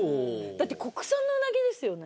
だって国産のうなぎですよね？